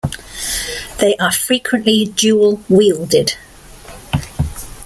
They are frequently dual wielded.